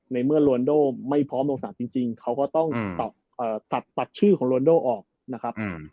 ในเมื่อโรนโดไม่พร้อมลงสนามจริงเขาก็ต้องตัดชื่อของโรนโดออกนะครับ